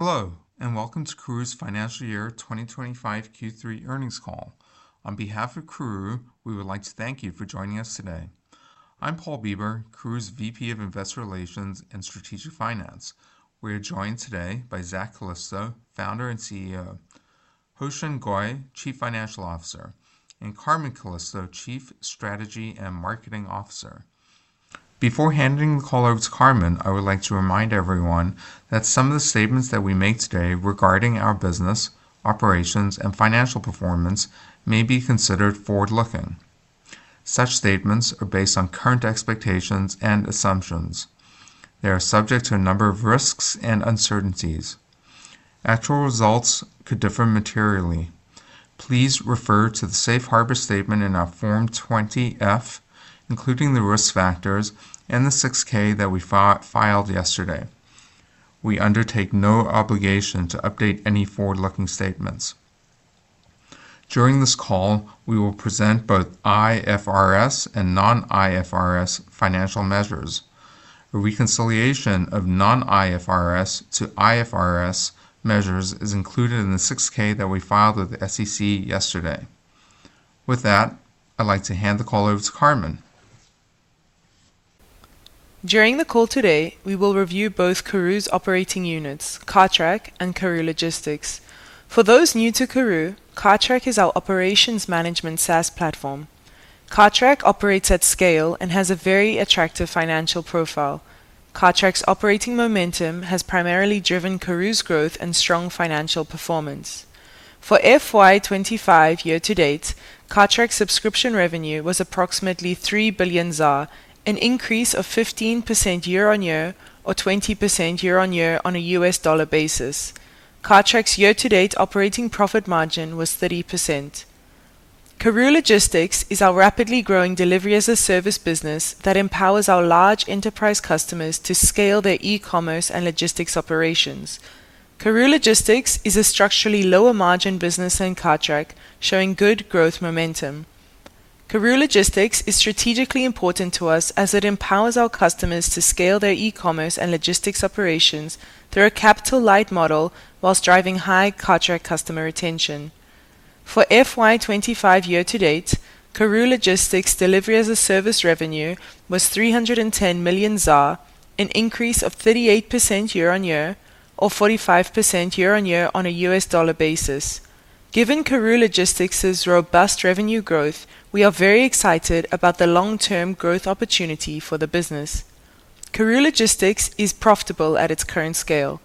Hello, and welcome to Karooooo’s Financial Year 2025 Q3 Earnings Call. On behalf of Karooooo, we would like to thank you for joining us today. I’m Paul Bieber, Karooooo’s VP of Investor Relations and Strategic Finance. We are joined today by Zak Calisto, Founder and CEO, Hoe Shin Goy, Chief Financial Officer, and Carmen Calisto, Chief Strategy and Marketing Officer. Before handing the call over to Carmen, I would like to remind everyone that some of the statements that we make today regarding our business, operations, and financial performance may be considered forward-looking. Such statements are based on current expectations and assumptions. They are subject to a number of risks and uncertainties. Actual results could differ materially. Please refer to the Safe Harbor Statement in our Form 20-F, including the risk factors and the 6-K that we filed yesterday. We undertake no obligation to update any forward-looking statements. During this call, we will present both IFRS and non-IFRS financial measures. A reconciliation of non-IFRS to IFRS measures is included in the 6-K that we filed with the SEC yesterday. With that, I'd like to hand the call over to Carmen. During the call today, we will review both Karooooo's operating units, Cartrack and Karooooo Logistics. For those new to Karooooo, Cartrack is our operations management SaaS platform. Cartrack operates at scale and has a very attractive financial profile. Cartrack's operating momentum has primarily driven Karooooo's growth and strong financial performance. For FY 2025 year-to-date, Cartrack's subscription revenue was approximately 3 billion ZAR, an increase of 15% year-on-year or 20% year-on-year on a U.S. dollar basis. Cartrack's year-to-date operating profit margin was 30%. Karooooo Logistics is our rapidly growing delivery-as-a-service business that empowers our large enterprise customers to scale their e-commerce and logistics operations. Karooooo Logistics is a structurally lower-margin business than Cartrack, showing good growth momentum. Karooooo Logistics is strategically important to us as it empowers our customers to scale their e-commerce and logistics operations through a capital-light model while driving high Cartrack customer retention. For FY 2025 year-to-date, Karooooo Logistics' delivery-as-a-service revenue was 310 million ZAR, an increase of 38% year-on-year or 45% year-on-year on a U.S. dollar basis. Given Karooooo Logistics' robust revenue growth, we are very excited about the long-term growth opportunity for the business. Karooooo Logistics is profitable at its current scale.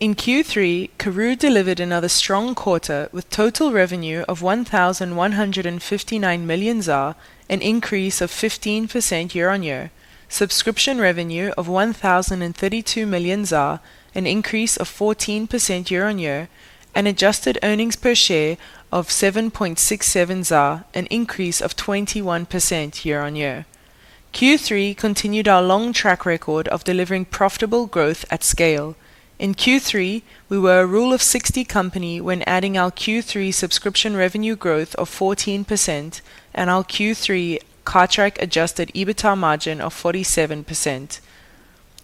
In Q3, Karooooo delivered another strong quarter with total revenue of 1,159 million ZAR, an increase of 15% year-on-year, subscription revenue of 1,032 million ZAR, an increase of 14% year-on-year, and adjusted earnings per share of 7.67, an increase of 21% year-on-year. Q3 continued our long track record of delivering profitable growth at scale. In Q3, we were a Rule of 60 company when adding our Q3 subscription revenue growth of 14% and our Q3 Cartrack-adjusted EBITDA margin of 47%.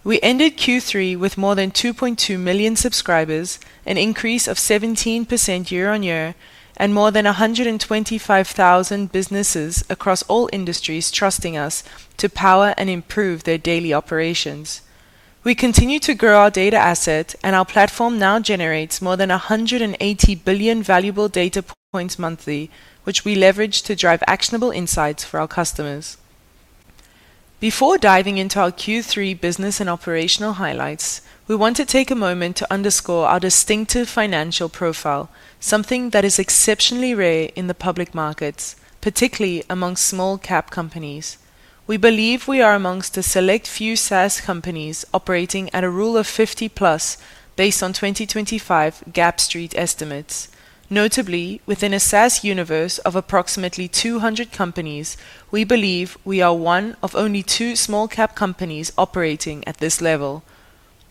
We ended Q3 with more than 2.2 million subscribers, an increase of 17% year-on-year, and more than 125,000 businesses across all industries trusting us to power and improve their daily operations. We continue to grow our data asset, and our platform now generates more than 180 billion valuable data points monthly, which we leverage to drive actionable insights for our customers. Before diving into our Q3 business and operational highlights, we want to take a moment to underscore our distinctive financial profile, something that is exceptionally rare in the public markets, particularly among small-cap companies. We believe we are among a select few SaaS companies operating at a Rule of 50+ based on 2025 GAAP Street estimates. Notably, within a SaaS universe of approximately 200 companies, we believe we are one of only two small-cap companies operating at this level.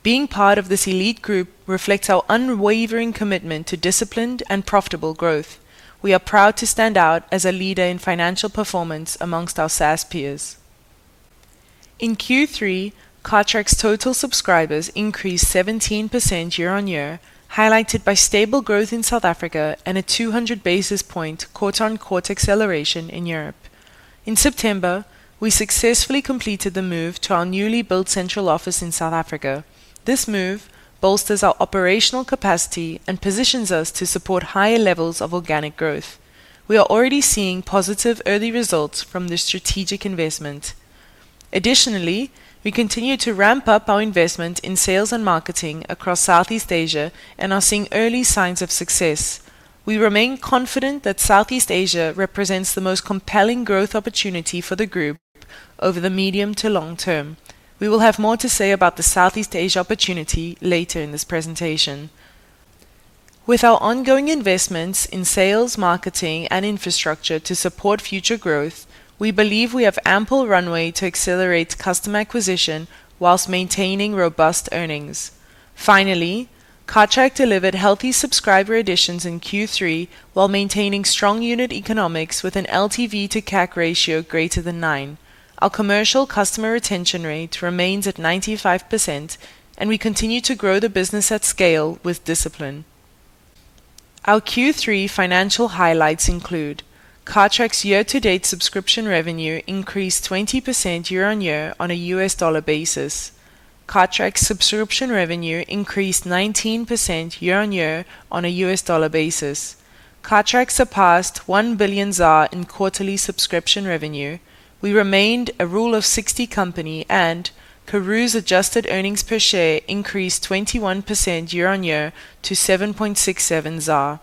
Being part of this elite group reflects our unwavering commitment to disciplined and profitable growth. We are proud to stand out as a leader in financial performance among our SaaS peers. In Q3, Cartrack's total subscribers increased 17% year-on-year, highlighted by stable growth in South Africa and a 200 basis point quarter-on-quarter acceleration in Europe. In September, we successfully completed the move to our newly built central office in South Africa. This move bolsters our operational capacity and positions us to support higher levels of organic growth. We are already seeing positive early results from this strategic investment. Additionally, we continue to ramp up our investment in sales and marketing across Southeast Asia and are seeing early signs of success. We remain confident that Southeast Asia represents the most compelling growth opportunity for the group over the medium to long term. We will have more to say about the Southeast Asia opportunity later in this presentation. With our ongoing investments in sales, marketing, and infrastructure to support future growth, we believe we have ample runway to accelerate customer acquisition while maintaining robust earnings. Finally, Cartrack delivered healthy subscriber additions in Q3 while maintaining strong unit economics with an LTV to CAC ratio greater than nine. Our commercial customer retention rate remains at 95%, and we continue to grow the business at scale with discipline. Our Q3 financial highlights include: Cartrack's year-to-date subscription revenue increased 20% year-on-year on a U.S. dollar basis. Cartrack's subscription revenue increased 19% year-on-year on a U.S. dollar basis. Cartrack surpassed 1 billion ZAR in quarterly subscription revenue. We remained a Rule of 60 company, and Karooooo's adjusted earnings per share increased 21% year-on-year to 7.67 ZAR.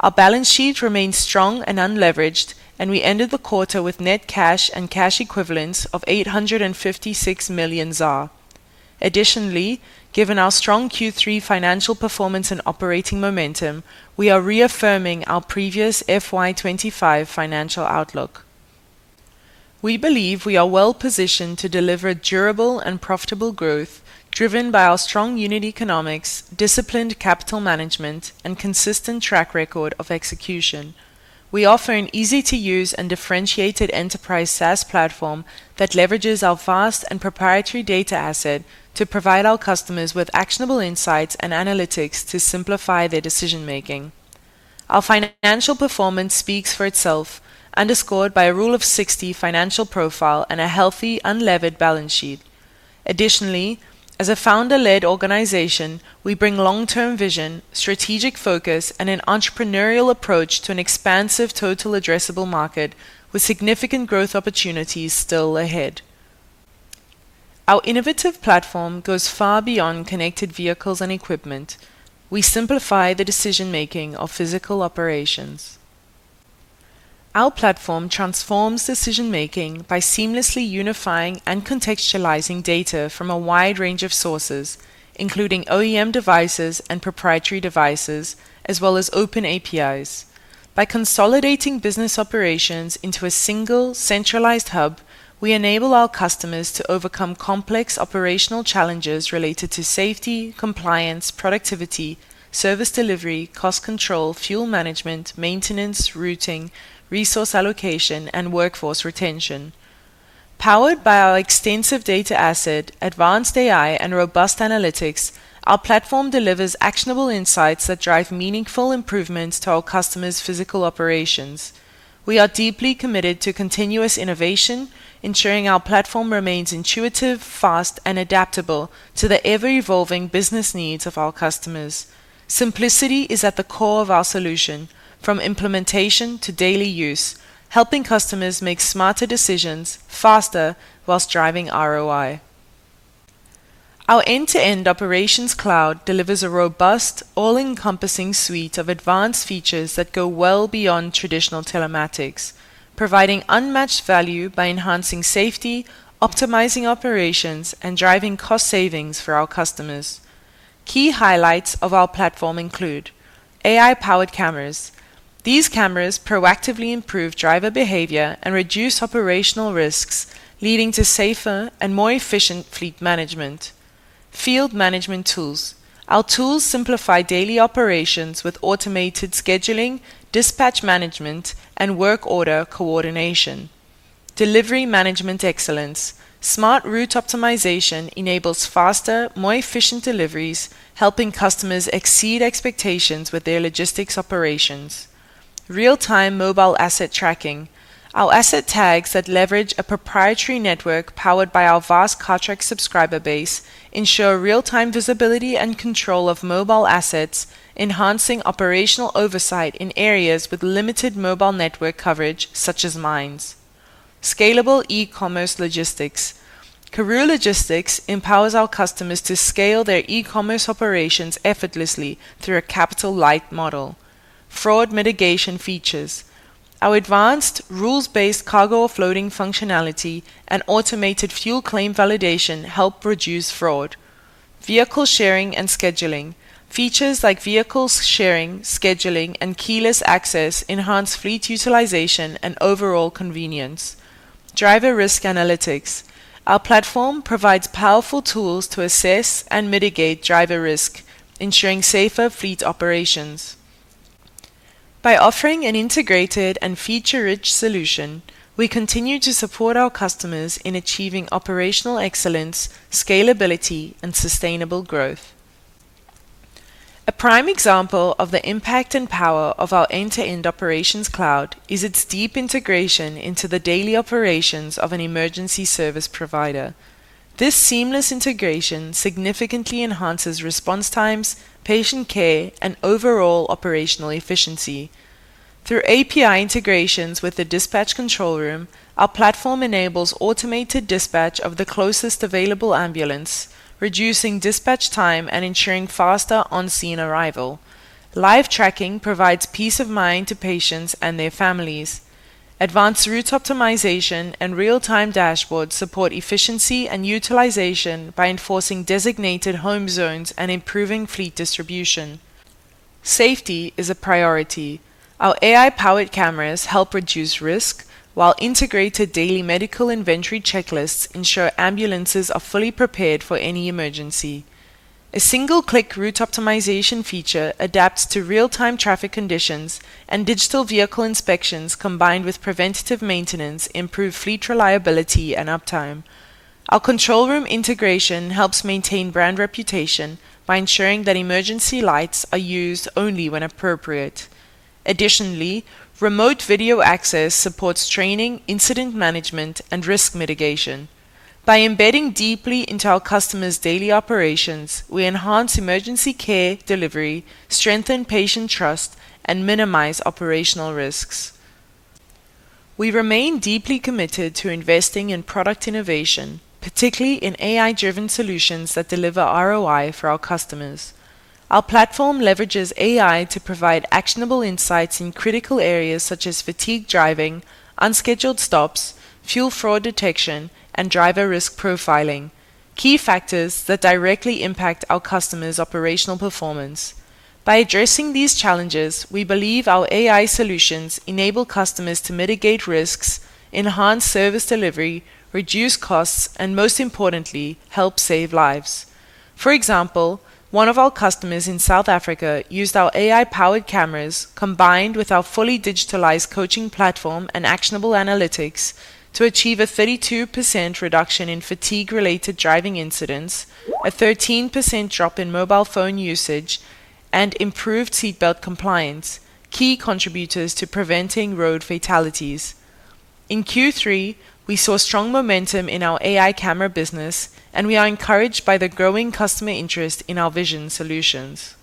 Our balance sheet remained strong and unleveraged, and we ended the quarter with net cash and cash equivalents of 856 million ZAR. Additionally, given our strong Q3 financial performance and operating momentum, we are reaffirming our previous FY 2025 financial outlook. We believe we are well-positioned to deliver durable and profitable growth driven by our strong unit economics, disciplined capital management, and consistent track record of execution. We offer an easy-to-use and differentiated enterprise SaaS platform that leverages our vast and proprietary data asset to provide our customers with actionable insights and analytics to simplify their decision-making. Our financial performance speaks for itself, underscored by a Rule of 60 financial profile and a healthy, unlevered balance sheet. Additionally, as a founder-led organization, we bring long-term vision, strategic focus, and an entrepreneurial approach to an expansive total addressable market with significant growth opportunities still ahead. Our innovative platform goes far beyond connected vehicles and equipment. We simplify the decision-making of physical operations. Our platform transforms decision-making by seamlessly unifying and contextualizing data from a wide range of sources, including OEM devices and proprietary devices, as well as open APIs. By consolidating business operations into a single, centralized hub, we enable our customers to overcome complex operational challenges related to safety, compliance, productivity, service delivery, cost control, fuel management, maintenance, routing, resource allocation, and workforce retention. Powered by our extensive data asset, advanced AI, and robust analytics, our platform delivers actionable insights that drive meaningful improvements to our customers' physical operations. We are deeply committed to continuous innovation, ensuring our platform remains intuitive, fast, and adaptable to the ever-evolving business needs of our customers. Simplicity is at the core of our solution, from implementation to daily use, helping customers make smarter decisions faster while driving ROI. Our end-to-end operations cloud delivers a robust, all-encompassing suite of advanced features that go well beyond traditional telematics, providing unmatched value by enhancing safety, optimizing operations, and driving cost savings for our customers. Key highlights of our platform include: AI-powered cameras. These cameras proactively improve driver behavior and reduce operational risks, leading to safer and more efficient fleet management. Field management tools. Our tools simplify daily operations with automated scheduling, dispatch management, and work order coordination. Delivery management excellence. Smart route optimization enables faster, more efficient deliveries, helping customers exceed expectations with their logistics operations. Real-time mobile asset tracking. Our asset tags that leverage a proprietary network powered by our vast Cartrack subscriber base ensure real-time visibility and control of mobile assets, enhancing operational oversight in areas with limited mobile network coverage, such as mines. Scalable e-commerce logistics. Karooooo Logistics empowers our customers to scale their e-commerce operations effortlessly through a capital-light model. Fraud mitigation features. Our advanced rules-based cargo floating functionality and automated fuel claim validation help reduce fraud. Vehicle sharing and scheduling. Features like vehicle sharing, scheduling, and keyless access enhance fleet utilization and overall convenience. Driver risk analytics. Our platform provides powerful tools to assess and mitigate driver risk, ensuring safer fleet operations. By offering an integrated and feature-rich solution, we continue to support our customers in achieving operational excellence, scalability, and sustainable growth. A prime example of the impact and power of our end-to-end operations cloud is its deep integration into the daily operations of an emergency service provider. This seamless integration significantly enhances response times, patient care, and overall operational efficiency. Through API integrations with the dispatch control room, our platform enables automated dispatch of the closest available ambulance, reducing dispatch time and ensuring faster on-scene arrival. Live tracking provides peace of mind to patients and their families. Advanced route optimization and real-time dashboards support efficiency and utilization by enforcing designated home zones and improving fleet distribution. Safety is a priority. Our AI-powered cameras help reduce risk, while integrated daily medical inventory checklists ensure ambulances are fully prepared for any emergency. A single-click route optimization feature adapts to real-time traffic conditions, and digital vehicle inspections combined with preventative maintenance improve fleet reliability and uptime. Our control room integration helps maintain brand reputation by ensuring that emergency lights are used only when appropriate. Additionally, remote video access supports training, incident management, and risk mitigation. By embedding deeply into our customers' daily operations, we enhance emergency care delivery, strengthen patient trust, and minimize operational risks. We remain deeply committed to investing in product innovation, particularly in AI-driven solutions that deliver ROI for our customers. Our platform leverages AI to provide actionable insights in critical areas such as fatigue driving, unscheduled stops, fuel fraud detection, and driver risk profiling, key factors that directly impact our customers' operational performance. By addressing these challenges, we believe our AI solutions enable customers to mitigate risks, enhance service delivery, reduce costs, and, most importantly, help save lives. For example, one of our customers in South Africa used our AI-powered cameras combined with our fully digitalized coaching platform and actionable analytics to achieve a 32% reduction in fatigue-related driving incidents, a 13% drop in mobile phone usage, and improved seatbelt compliance, key contributors to preventing road fatalities. In Q3, we saw strong momentum in our AI camera business, and we are encouraged by the growing customer interest in our vision solutions.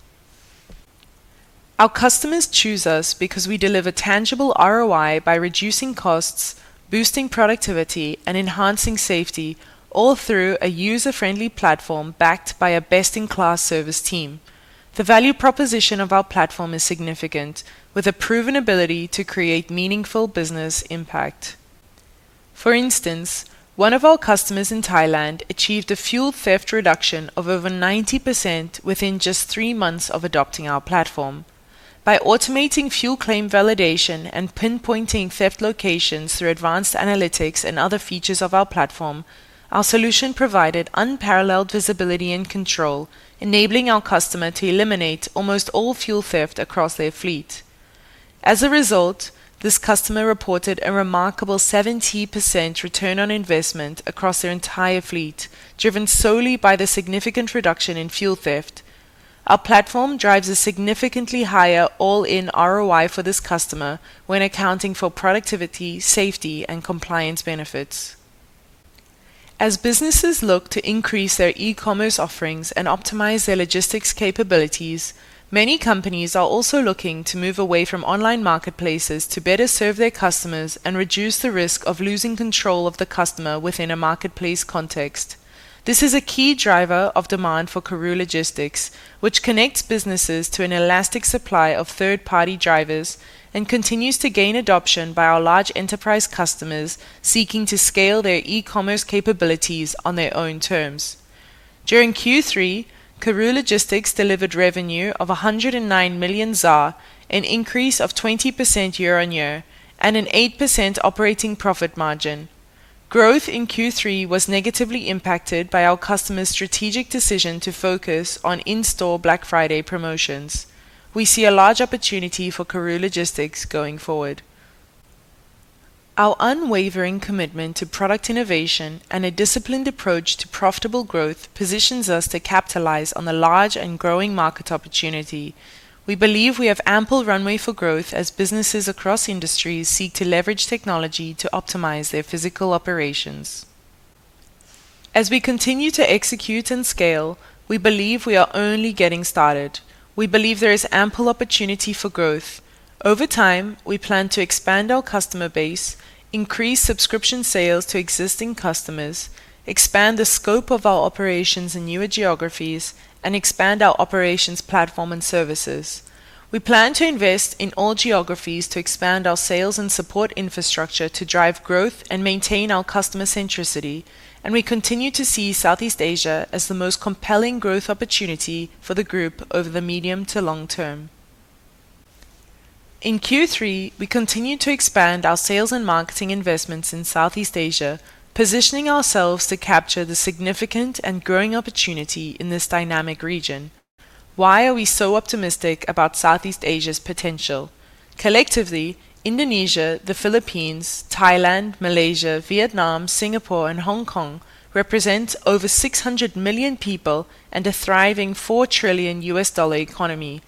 Our customers choose us because we deliver tangible ROI by reducing costs, boosting productivity, and enhancing safety, all through a user-friendly platform backed by a best-in-class service team. The value proposition of our platform is significant, with a proven ability to create meaningful business impact. For instance, one of our customers in Thailand achieved a fuel theft reduction of over 90% within just three months of adopting our platform. By automating fuel claim validation and pinpointing theft locations through advanced analytics and other features of our platform, our solution provided unparalleled visibility and control, enabling our customer to eliminate almost all fuel theft across their fleet. As a result, this customer reported a remarkable 70% return on investment across their entire fleet, driven solely by the significant reduction in fuel theft. Our platform drives a significantly higher all-in ROI for this customer when accounting for productivity, safety, and compliance benefits. As businesses look to increase their e-commerce offerings and optimize their logistics capabilities, many companies are also looking to move away from online marketplaces to better serve their customers and reduce the risk of losing control of the customer within a marketplace context. This is a key driver of demand for Karooooo Logistics, which connects businesses to an elastic supply of third-party drivers and continues to gain adoption by our large enterprise customers seeking to scale their e-commerce capabilities on their own terms. During Q3, Karooooo Logistics delivered revenue of 109 million ZAR, an increase of 20% year-on-year, and an 8% operating profit margin. Growth in Q3 was negatively impacted by our customer's strategic decision to focus on in-store Black Friday promotions. We see a large opportunity for Karooooo Logistics going forward. Our unwavering commitment to product innovation and a disciplined approach to profitable growth positions us to capitalize on the large and growing market opportunity. We believe we have ample runway for growth as businesses across industries seek to leverage technology to optimize their physical operations. As we continue to execute and scale, we believe we are only getting started. We believe there is ample opportunity for growth. Over time, we plan to expand our customer base, increase subscription sales to existing customers, expand the scope of our operations in newer geographies, and expand our operations platform and services. We plan to invest in all geographies to expand our sales and support infrastructure to drive growth and maintain our customer centricity, and we continue to see Southeast Asia as the most compelling growth opportunity for the group over the medium to long term. In Q3, we continue to expand our sales and marketing investments in Southeast Asia, positioning ourselves to capture the significant and growing opportunity in this dynamic region. Why are we so optimistic about Southeast Asia's potential? Collectively, Indonesia, the Philippines, Thailand, Malaysia, Vietnam, Singapore, and Hong Kong represent over 600 million people and a thriving $4 trillion economy.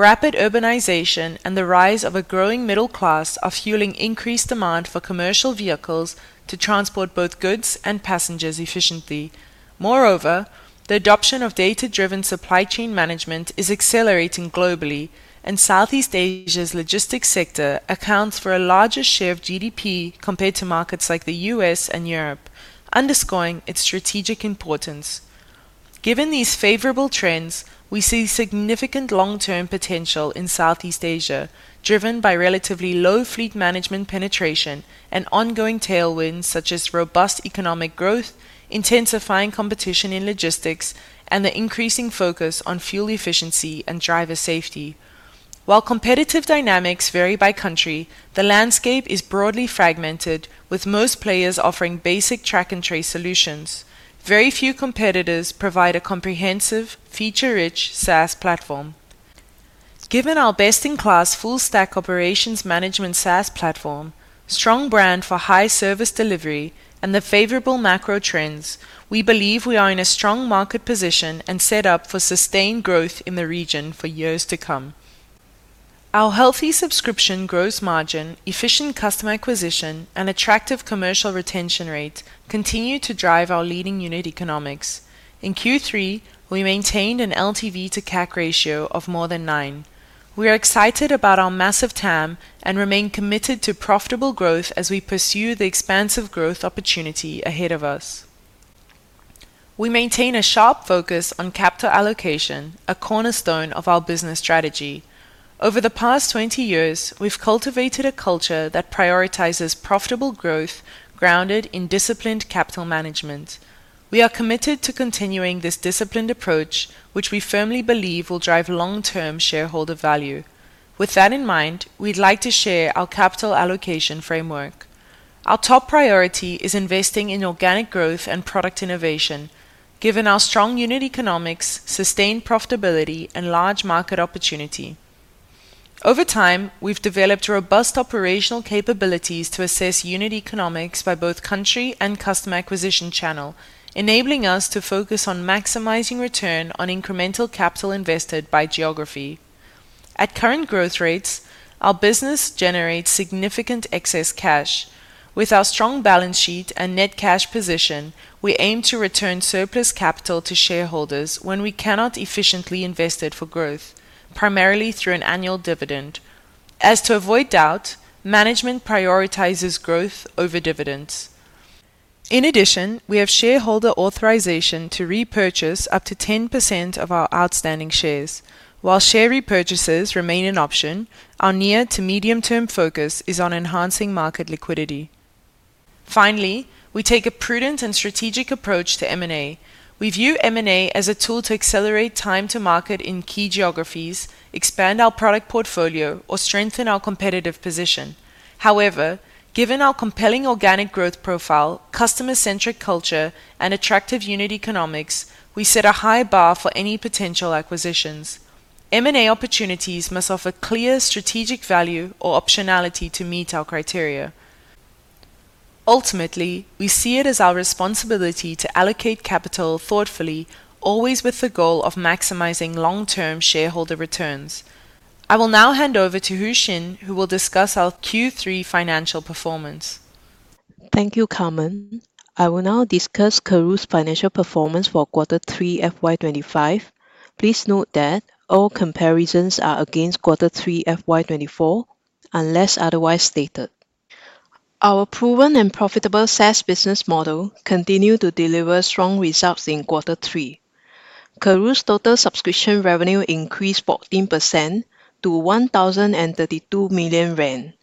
Rapid urbanization and the rise of a growing middle class are fueling increased demand for commercial vehicles to transport both goods and passengers efficiently. Moreover, the adoption of data-driven supply chain management is accelerating globally, and Southeast Asia's logistics sector accounts for a larger share of GDP compared to markets like the U.S. and Europe, underscoring its strategic importance. Given these favorable trends, we see significant long-term potential in Southeast Asia, driven by relatively low fleet management penetration and ongoing tailwinds such as robust economic growth, intensifying competition in logistics, and the increasing focus on fuel efficiency and driver safety. While competitive dynamics vary by country, the landscape is broadly fragmented, with most players offering basic track-and-trace solutions. Very few competitors provide a comprehensive, feature-rich SaaS platform. Given our best-in-class full-stack operations management SaaS platform, strong brand for high service delivery, and the favorable macro trends, we believe we are in a strong market position and set up for sustained growth in the region for years to come. Our healthy subscription gross margin, efficient customer acquisition, and attractive commercial retention rate continue to drive our leading unit economics. In Q3, we maintained an LTV to CAC ratio of more than nine. We are excited about our massive TAM and remain committed to profitable growth as we pursue the expansive growth opportunity ahead of us. We maintain a sharp focus on capital allocation, a cornerstone of our business strategy. Over the past 20 years, we've cultivated a culture that prioritizes profitable growth grounded in disciplined capital management. We are committed to continuing this disciplined approach, which we firmly believe will drive long-term shareholder value. With that in mind, we'd like to share our capital allocation framework. Our top priority is investing in organic growth and product innovation, given our strong unit economics, sustained profitability, and large market opportunity. Over time, we've developed robust operational capabilities to assess unit economics by both country and customer acquisition channel, enabling us to focus on maximizing return on incremental capital invested by geography. At current growth rates, our business generates significant excess cash. With our strong balance sheet and net cash position, we aim to return surplus capital to shareholders when we cannot efficiently invest it for growth, primarily through an annual dividend. As to avoid doubt, management prioritizes growth over dividends. In addition, we have shareholder authorization to repurchase up to 10% of our outstanding shares. While share repurchases remain an option, our near- to medium-term focus is on enhancing market liquidity. Finally, we take a prudent and strategic approach to M&A. We view M&A as a tool to accelerate time to market in key geographies, expand our product portfolio, or strengthen our competitive position. However, given our compelling organic growth profile, customer-centric culture, and attractive unit economics, we set a high bar for any potential acquisitions. M&A opportunities must offer clear strategic value or optionality to meet our criteria. Ultimately, we see it as our responsibility to allocate capital thoughtfully, always with the goal of maximizing long-term shareholder returns. I will now hand over to Hoe Shin, who will discuss our Q3 financial performance. Thank you, Carmen. I will now discuss Karooooo's financial performance for quarter three FY 2025. Please note that all comparisons are against quarter three FY 2024 unless otherwise stated. Our proven and profitable SaaS business model continues to deliver strong results in quarter three. Karooooo's total subscription revenue increased 14% to 1,032 million rand.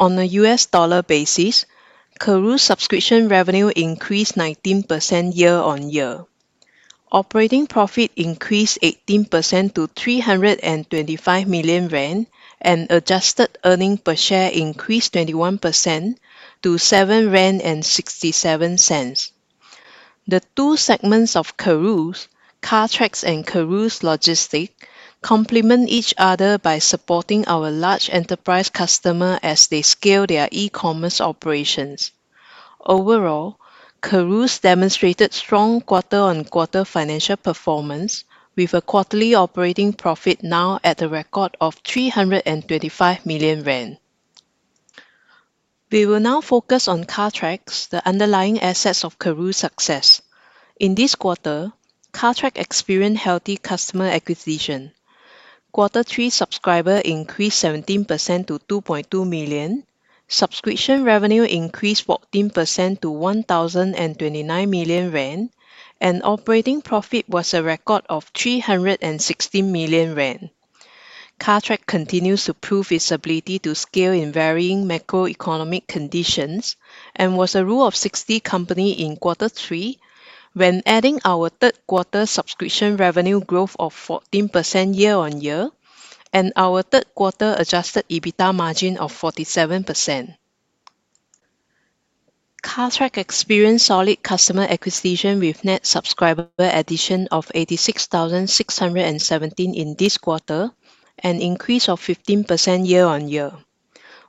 On a U.S. dollar basis, Karooooo's subscription revenue increased 19% year-on-year. Operating profit increased 18% to 325 million rand, and adjusted earnings per share increased 21% to 7.67 rand. The two segments of Karooooo, Cartrack and Karooooo Logistics, complement each other by supporting our large enterprise customers as they scale their e-commerce operations. Overall, Karooooo's demonstrated strong quarter-on-quarter financial performance, with a quarterly operating profit now at a record of 325 million rand. We will now focus on Cartrack, the underlying asset of Karooooo's success. In this quarter, Cartrack experienced healthy customer acquisition. Quarter three subscribers increased 17% to 2.2 million. Subscription revenue increased 14% to 1,029 million rand, and operating profit was a record of 316 million rand. Cartrack continues to prove its ability to scale in varying macroeconomic conditions and was a Rule of 60 company in quarter three when adding our third-quarter subscription revenue growth of 14% year-on-year and our third-quarter Adjusted EBITDA margin of 47%. Cartrack experienced solid customer acquisition with net subscriber addition of 86,617 in this quarter and an increase of 15% year-on-year.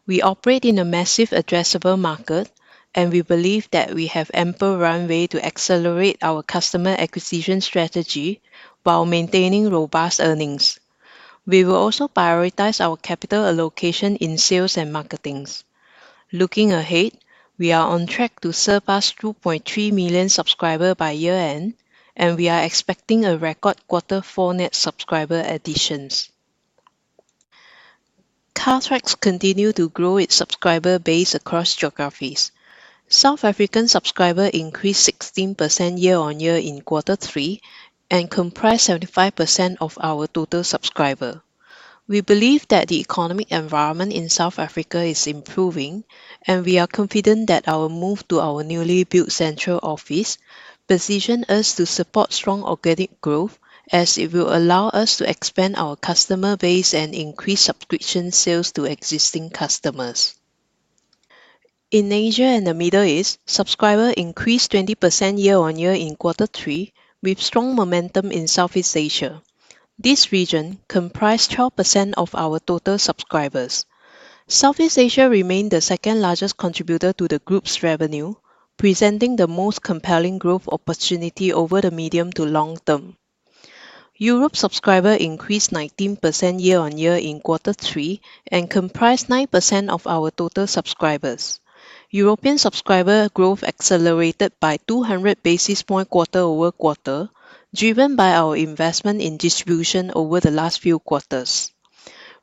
We operate in a massive addressable market, and we believe that we have ample runway to accelerate our customer acquisition strategy while maintaining robust earnings. We will also prioritize our capital allocation in sales and marketing. Looking ahead, we are on track to surpass 2.3 million subscribers by year-end, and we are expecting a record quarter four net subscriber additions. Cartrack continues to grow its subscriber base across geographies. South African subscribers increased 16% year-on-year in quarter three and comprised 75% of our total subscribers. We believe that the economic environment in South Africa is improving, and we are confident that our move to our newly built central office positions us to support strong organic growth, as it will allow us to expand our customer base and increase subscription sales to existing customers. In Asia and the Middle East, subscribers increased 20% year-on-year in quarter three, with strong momentum in Southeast Asia. This region comprised 12% of our total subscribers. Southeast Asia remains the second-largest contributor to the group's revenue, presenting the most compelling growth opportunity over the medium to long term. Europe subscribers increased 19% year-on-year in Q3 and comprised 9% of our total subscribers. European subscriber growth accelerated by 200 basis points quarter over quarter, driven by our investment in distribution over the last few quarters.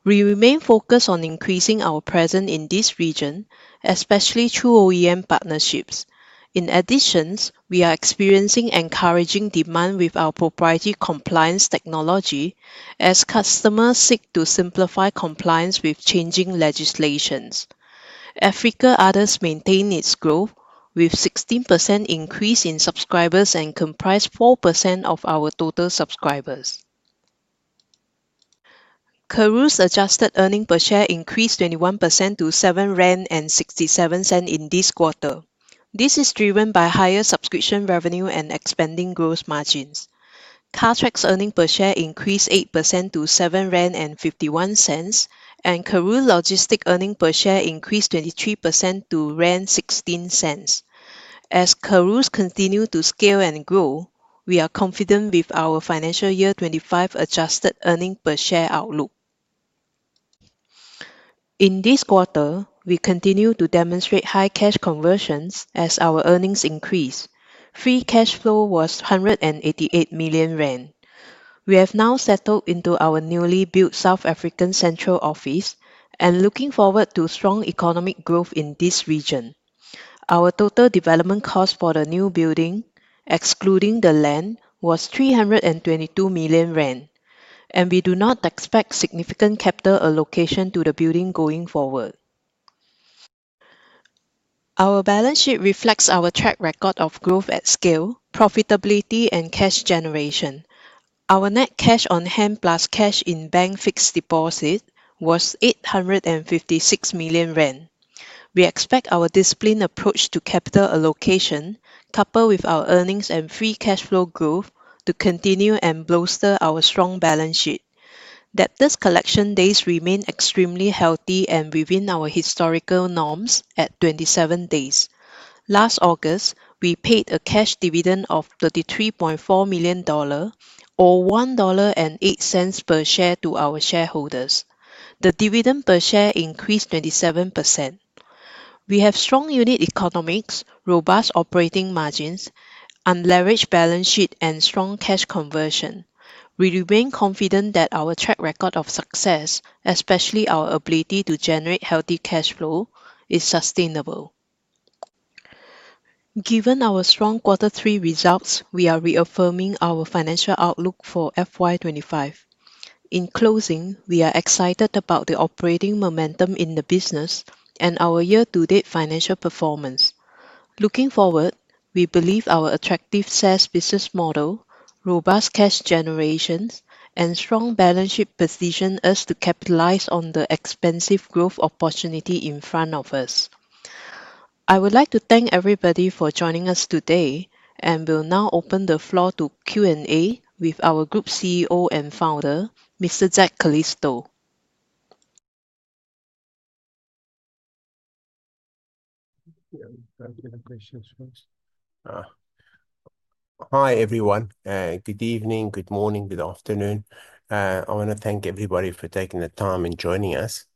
We remain focused on increasing our presence in this region, especially through OEM partnerships. In addition, we are experiencing encouraging demand with our proprietary compliance technology, as customers seek to simplify compliance with changing legislations. Africa Other maintain its growth, with a 16% increase in subscribers and comprising 4% of our total subscribers. Karooooo’s adjusted earnings per share increased 21% to 7.67 rand in this quarter. This is driven by higher subscription revenue and expanding gross margins. Cartrack's earnings per share increased 8% to 7.51 rand, and Karooooo Logistics' earnings per share increased 23% to 0.16. As Karooooo continues to scale and grow, we are confident with our financial year 2025 adjusted earnings per share outlook. In this quarter, we continue to demonstrate high cash conversions as our earnings increase. Free cash flow was 188 million rand. We have now settled into our newly built South African central office and are looking forward to strong economic growth in this region. Our total development cost for the new building, excluding the land, was 322 million rand, and we do not expect significant capital allocation to the building going forward. Our balance sheet reflects our track record of growth at scale, profitability, and cash generation. Our net cash on hand plus cash in bank fixed deposit was 856 million rand. We expect our disciplined approach to capital allocation, coupled with our earnings and free cash flow growth, to continue and bolster our strong balance sheet. Debtors' collection days remain extremely healthy and within our historical norms at 27 days. Last August, we paid a cash dividend of $33.4 million or $1.08 per share to our shareholders. The dividend per share increased 27%. We have strong unit economics, robust operating margins, unleveraged balance sheet, and strong cash conversion. We remain confident that our track record of success, especially our ability to generate healthy cash flow, is sustainable. Given our strong quarter three results, we are reaffirming our financial outlook for FY 2025. In closing, we are excited about the operating momentum in the business and our year-to-date financial performance. Looking forward, we believe our attractive SaaS business model, robust cash generation, and strong balance sheet position us to capitalize on the expansive growth opportunity in front of us. I would like to thank everybody for joining us today, and we'll now open the floor to Q&A with our Group CEO and Founder, Mr. Zak Calisto. Hi everyone. Good evening, good morning, good afternoon. I want to thank everybody for taking the time and joining us.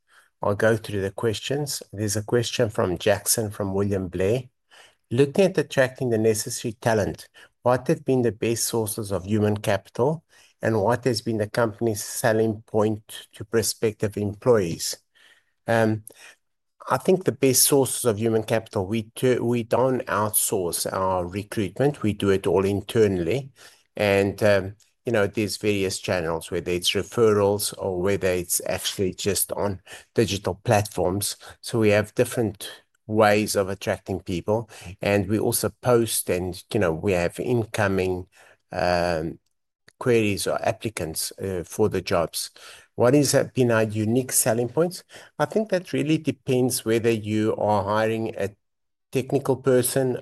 I'll go through the questions. There's a question from Jackson from William Blair. Looking at attracting the necessary talent, what have been the best sources of human capital and what has been the company's selling point to prospective employees? I think the best sources of human capital. We don't outsource our recruitment. We do it all internally. And you know there's various channels, whether it's referrals or whether it's actually just on digital platforms. We have different ways of attracting people. We also post, and you know we have incoming queries or applicants for the jobs. What has been our unique selling points? I think that really depends whether you are hiring a technical person,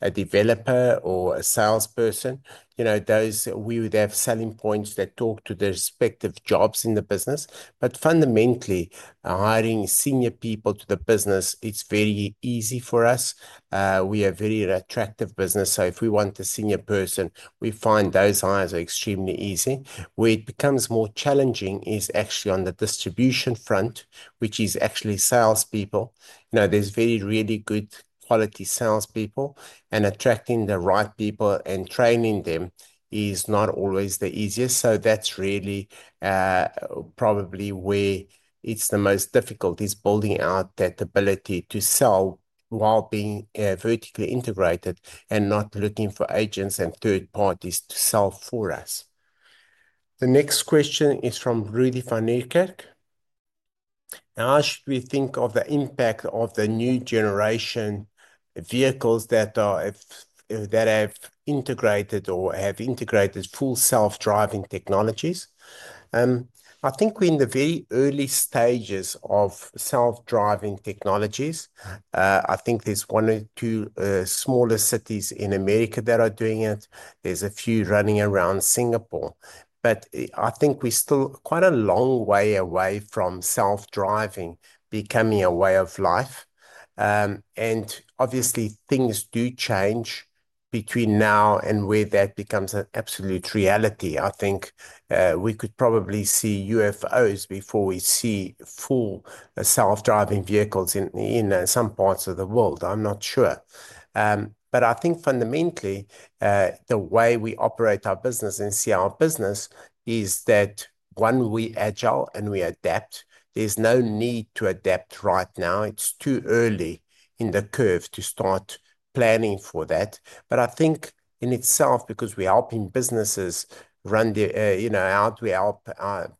a developer, or a salesperson. You know those we would have selling points that talk to the respective jobs in the business. Fundamentally, hiring senior people to the business, it is very easy for us. We are a very attractive business. If we want a senior person, we find those hires are extremely easy. Where it becomes more challenging is actually on the distribution front, which is actually salespeople. Now, there is really good quality salespeople, and attracting the right people and training them is not always the easiest. That's really probably where it's the most difficult, is building out that ability to sell while being vertically integrated and not looking for agents and third parties to sell for us. The next question is from Rudi van Niekerk. How should we think of the impact of the new generation vehicles that have integrated full self-driving technologies? I think we're in the very early stages of self-driving technologies. I think there's one or two smaller cities in America that are doing it. There's a few running around Singapore. But I think we're still quite a long way away from self-driving becoming a way of life. And obviously, things do change between now and where that becomes an absolute reality. I think we could probably see UFOs before we see full self-driving vehicles in some parts of the world. I'm not sure. But I think fundamentally, the way we operate our business and see our business is that, one, we're agile and we adapt. There's no need to adapt right now. It's too early in the curve to start planning for that. But I think in itself, because we're helping businesses run their, you know, how do we help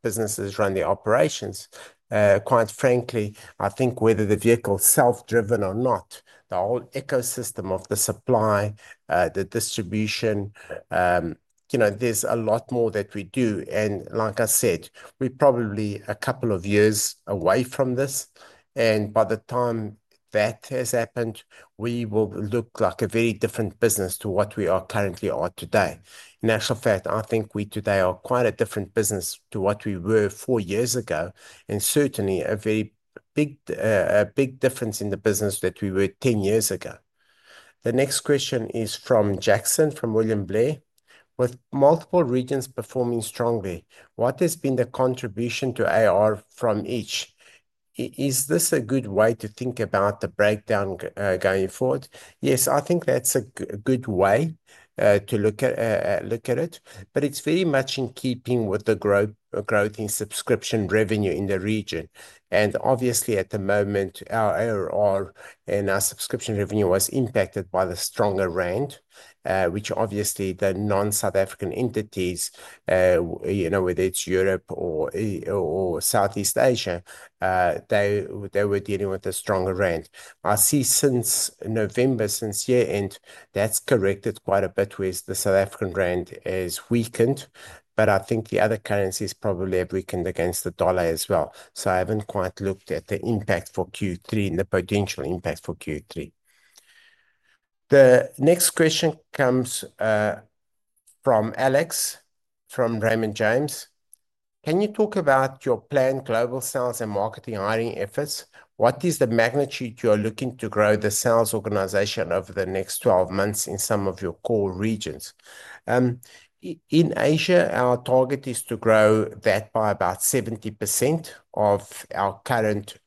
businesses run their operations? Quite frankly, I think whether the vehicle is self-driven or not, the whole ecosystem of the supply, the distribution, you know, there's a lot more that we do. And like I said, we're probably a couple of years away from this. And by the time that has happened, we will look like a very different business to what we are currently at today. In actual fact, I think we today are quite a different business to what we were four years ago, and certainly a very big difference in the business that we were 10 years ago. The next question is from Jackson from William Blair. With multiple regions performing strongly, what has been the contribution to AR from each? Is this a good way to think about the breakdown going forward? Yes, I think that's a good way to look at it. But it's very much in keeping with the growth in subscription revenue in the region. And obviously, at the moment, our AR and our subscription revenue was impacted by the stronger rand, which obviously the non-South African entities, you know, whether it's Europe or Southeast Asia, they were dealing with a stronger rand. I see, since November, since year-end, that's corrected quite a bit, whereas the South African rand has weakened. But I think the other currencies probably have weakened against the dollar as well. So I haven't quite looked at the impact for Q3 and the potential impact for Q3. The next question comes from Alex from Raymond James. Can you talk about your planned global sales and marketing hiring efforts? What is the magnitude you are looking to grow the sales organization over the next 12 months in some of your core regions? In Asia, our target is to grow that by about 70% of our current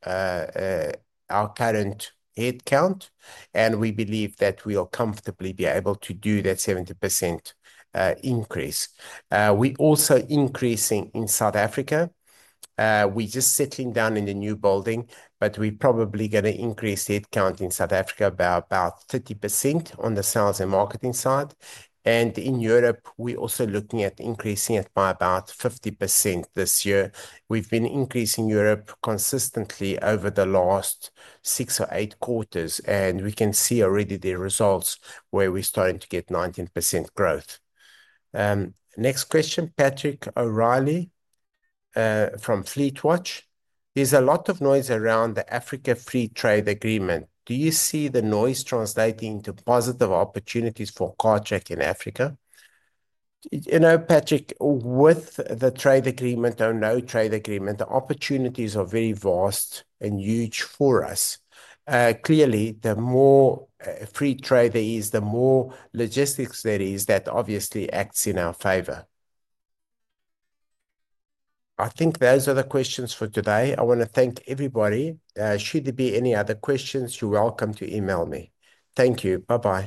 headcount. And we believe that we will comfortably be able to do that 70% increase. We're also increasing in South Africa. We're just settling down in the new building, but we're probably going to increase headcount in South Africa by about 30% on the sales and marketing side. And in Europe, we're also looking at increasing it by about 50% this year. We've been increasing Europe consistently over the last six or eight quarters, and we can see already the results where we're starting to get 19% growth. Next question, Patrick O'Leary from FleetWatch. There's a lot of noise around the Africa Free Trade Agreement. Do you see the noise translating into positive opportunities for Cartrack in Africa? You know, Patrick, with the trade agreement or no trade agreement, the opportunities are very vast and huge for us. Clearly, the more free trade there is, the more logistics there is that obviously acts in our favor. I think those are the questions for today. I want to thank everybody. Should there be any other questions, you're welcome to email me. Thank you. Bye-bye.